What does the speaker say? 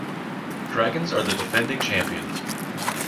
Dragons are the defending champions.